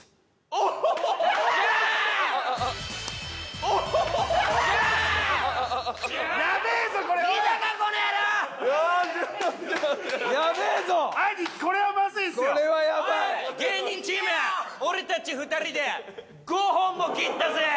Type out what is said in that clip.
おい芸人チーム俺たち２人で５本も切ったぜ！